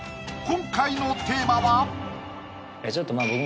今回のテーマは？